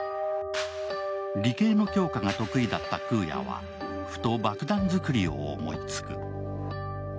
理系の教科が得意だった空也はふと爆弾作りを思いつく。